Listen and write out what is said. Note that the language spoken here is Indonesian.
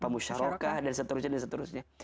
musyarokah dan seterusnya